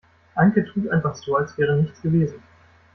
Anke tut einfach so, als wäre nichts gewesen.